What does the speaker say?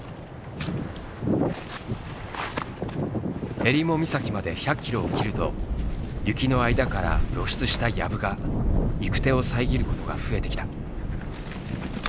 襟裳岬まで１００キロを切ると雪の間から露出したやぶが行く手を遮ることが増えてきた。